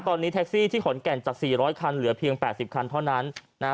ตอนนี้แท็กซี่ที่ขนแก่นจากสี่ร้อยคันเหลือเพียงแปดสิบคันเท่านั้นนะฮะ